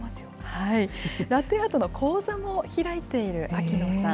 ラテアートの講座も開いているアキノさん。